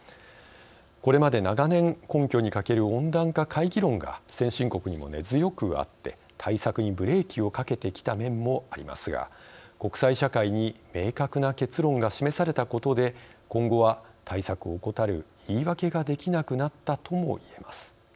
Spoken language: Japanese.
これまで長年根拠に欠ける温暖化懐疑論が先進国にも根強くあって対策にブレーキをかけてきた面もありますが、国際社会に明確な結論が示されたことで今後は対策を怠る言い訳ができなくなったともいえます。